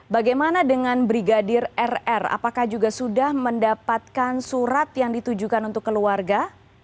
bagaimana dengan brigadir rr apakah juga sudah mendapatkan surat yang ditujukan untuk keluarga